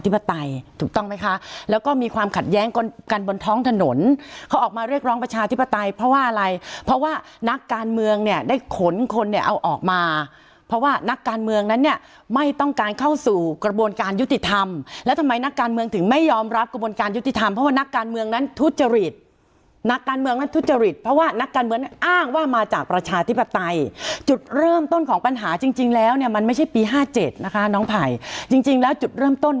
ธิปไตยเพราะว่าอะไรเพราะว่านักการเมืองเนี่ยได้ขนคนเนี่ยเอาออกมาเพราะว่านักการเมืองนั้นเนี่ยไม่ต้องการเข้าสู่กระบวนการยุติธรรมแล้วทำไมนักการเมืองถึงไม่ยอมรับกระบวนการยุติธรรมเพราะว่านักการเมืองนั้นทุจริตนักการเมืองทุจริตเพราะว่านักการเมืองอ้างว่ามาจากประชาธิปไตยจุดเริ่มต